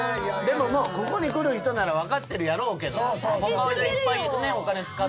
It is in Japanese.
でもここに来る人なら分かってるやろうけど。